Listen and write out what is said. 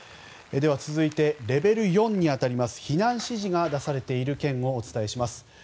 では、続いてレベル４に当たります避難指示が出されている県をお伝えします。